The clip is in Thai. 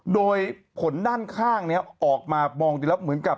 โดยผลด้านข้างนี้ออกมามองดีแล้วเหมือนกับ